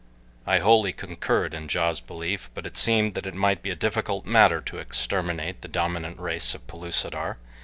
I wholly concurred in Ja's belief, but it seemed that it might be a difficult matter to exterminate the dominant race of Pellucidar.